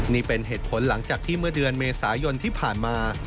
นี่เป็นเหตุผลหลังจากที่เมื่อเดือนเมษายนที่ผ่านมา